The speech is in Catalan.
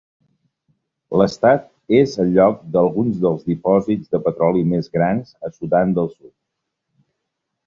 L'estat és el lloc d'alguns dels dipòsits de petroli més grans a Sudan del Sud.